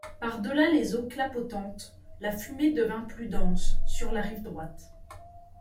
Par delà les eaux clapotantes, la fumée devint plus dense, sur la rive droite.